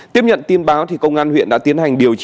tiếp nhận tin báo công an huyện đã tiến hành điều tra